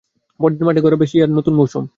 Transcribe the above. পরদিন মাঠে গড়াবে সিরি আ র নতুন মৌসুম।